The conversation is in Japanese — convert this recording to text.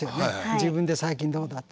自分で最近どうだって。